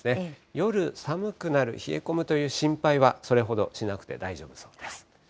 夜寒くなる、冷え込むという心配はそれほどしなくて大丈夫そうです。